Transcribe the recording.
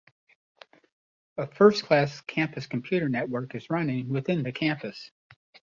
A first-class campus computer network is running within the campus.